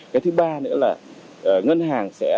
cái thứ ba nữa là ngân hàng sẽ được